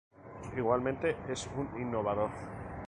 Igualmente, es un innovador.